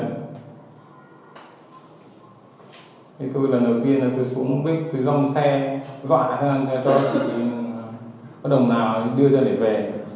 thì tôi lần đầu tiên tôi xuống bích tôi rong xe dọa cho chị có đồng nào đưa ra để về